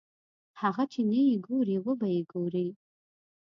هغه چې نه یې ګورې وبه یې ګورې.